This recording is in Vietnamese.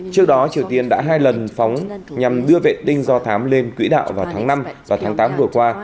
trước đó triều tiên đã hai lần phóng nhằm đưa vệ tinh do thám lên quỹ đạo vào tháng năm và tháng tám vừa qua